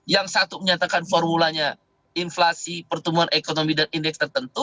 yang satu menyatakan formulanya inflasi pertumbuhan ekonomi dan indeks tertentu